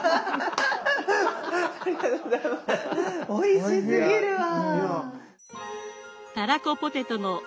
おいしすぎるわ！